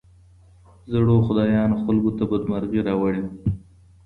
زړو خدايانو خلګو ته بدمرغي راوړې وه.